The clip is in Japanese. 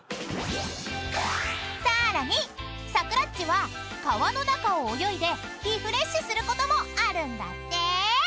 ［さらにサクラっちは川の中を泳いでリフレッシュすることもあるんだって］